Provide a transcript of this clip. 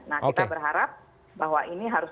nah kita berharap bahwa ini harus